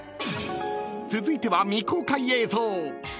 ［続いては未公開映像］